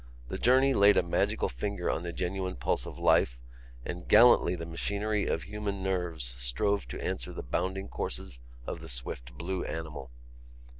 The journey laid a magical finger on the genuine pulse of life and gallantly the machinery of human nerves strove to answer the bounding courses of the swift blue animal.